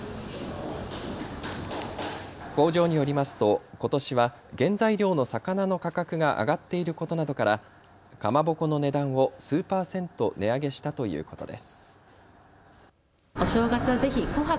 工場によりますとことしは原材料の魚の価格が上がっていることなどからかまぼこの値段を数％値上げしたということです。